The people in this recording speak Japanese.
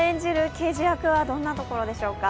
刑事役はどんなところでしょうか。